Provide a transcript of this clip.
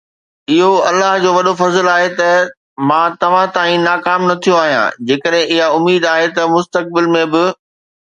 اهو الله جو وڏو فضل آهي ته مان توهان تائين ناڪام نه ٿيو آهيان، جيڪڏهن اها اميد آهي ته مستقبل ۾ به